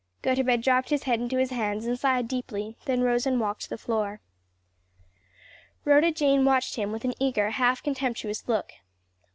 Gotobed dropped his head into his hands and sighed deeply, then rose and walked the floor. Rhoda Jane watched him with an eager, half contemptuous look.